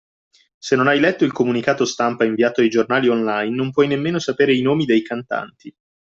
Se non hai letto il comunicato stampa inviato ai giornali online non puoi nemmeno sapere i nomi dei cantanti